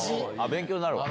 勉強になるわ。